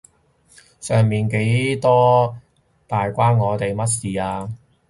上面幾多大關我哋乜事啊？